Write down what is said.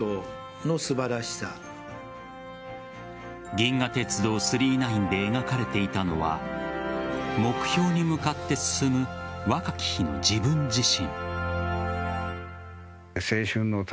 「銀河鉄道９９９」で描かれていたのは目標に向かって進む若き日の自分自身。